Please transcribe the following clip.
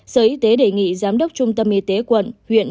sở y tế đề nghị giám đốc trung tâm y tế quận huyện